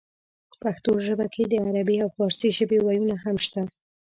پښتو ژبې کې د عربۍ او پارسۍ ژبې وييونه هم شته دي